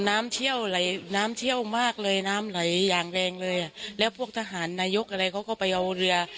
น้ำเชี่ยวไหลน้ำเชี่ยวมากเลยน้ำไหลอย่างแรงเลยอ่ะแล้วพวกทหารนายกอะไรเขาก็ไปเอาเรือ